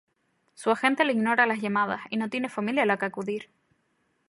Su agente le ignora las llamadas, y no tiene familia a la que acudir.